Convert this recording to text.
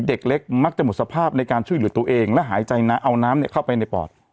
เด็กเล็กมักจะหมดสภาพในการช่วยเหลือตัวเองและหายใจนะเอาน้ำเข้าไปในปอด